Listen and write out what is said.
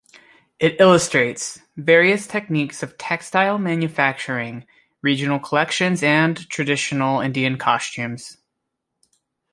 It illustrates "various techniques of textile manufacturing, regional collections and traditional Indian costumes".